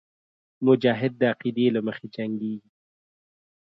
مجاهد د عقیدې له مخې جنګېږي.